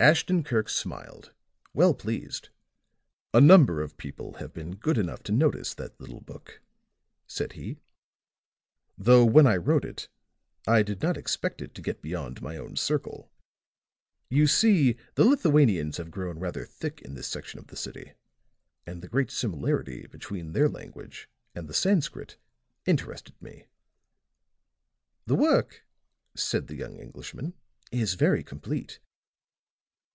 Ashton Kirk smiled, well pleased. "A number of people have been good enough to notice that little book," said he, "though when I wrote it I did not expect it to get beyond my own circle. You see, the Lithuanians have grown rather thick in this section of the city; and the great similarity between their language and the Sanskrit interested me." "The work," said the young Englishman, "is very complete.